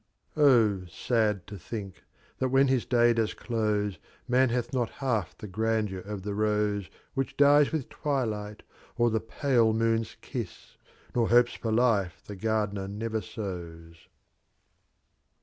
O, sad to think, that when his Dly fiats close Man hath not liaEf the Grandeur of the Rose Which dies with Twilight or the pile Moon's Kiss h Nov hopes for Life the Gardener never sows.